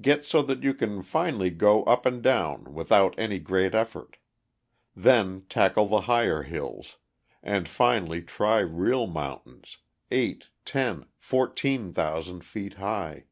Get so that you can finally go up and down without any great effort. Then tackle the higher hills, and finally try real mountains, eight, ten, fourteen thousand feet high.